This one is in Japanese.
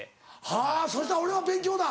はぁそしたら俺は勉強だ。